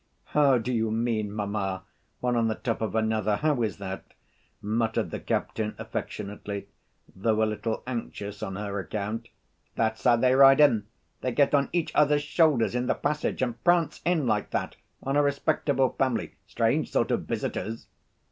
"How do you mean, mamma, one on the top of another, how is that?" muttered the captain affectionately, though a little anxious on her account. "That's how they ride in. They get on each other's shoulders in the passage and prance in like that on a respectable family. Strange sort of visitors!"